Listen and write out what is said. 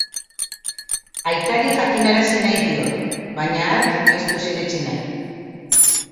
Aitari jakinarazi nahi dio, baina hark ez du sinetsi nahi.